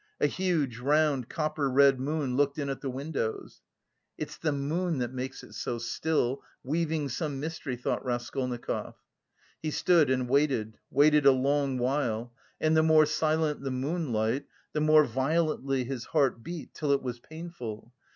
A huge, round, copper red moon looked in at the windows. "It's the moon that makes it so still, weaving some mystery," thought Raskolnikov. He stood and waited, waited a long while, and the more silent the moonlight, the more violently his heart beat, till it was painful.